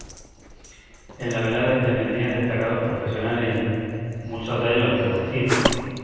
En la velada intervendrían destacados profesionales y amigos, muchos de ellos antiguos discípulos.